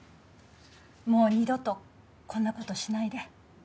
もう二度とこんな事しないで。